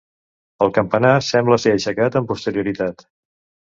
El campanar sembla ser aixecat amb posterioritat.